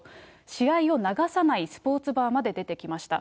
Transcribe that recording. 試合を流さないスポーツバーまで出てきました。